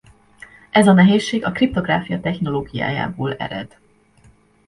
Ez a nehézség a kriptográfia technológiájából ered.